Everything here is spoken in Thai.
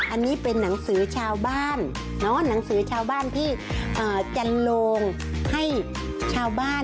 อันนี้เป็นหนังสือชาวบ้านหนังสือชาวบ้านที่จันโลงให้ชาวบ้าน